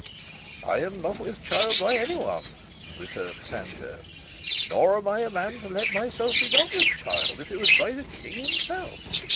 "I am not with child by anyone," returned Sancho, "nor am I a man to let myself be got with child, if it was by the King himself.